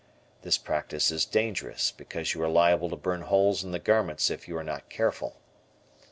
This practice is dangerous, because you are liable to burn holes in the garments if you are not careful.